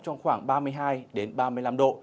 trong khoảng ba mươi hai ba mươi năm độ